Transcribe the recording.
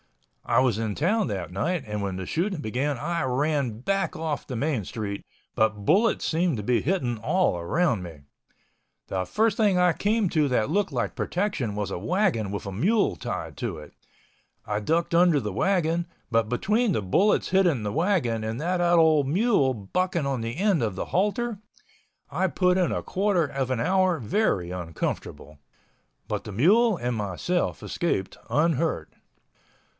I was in town that night, and when the shooting began I ran back off the main street, but bullets seemed to be hitting all around me. The first thing I came to that looked like protection was a wagon with a mule tied to it. I ducked under the wagon—but between the bullets hitting the wagon and that old mule bucking on the end of the halter, I put in a quarter of an hour very uncomfortable. But the mule and myself escaped unhurt.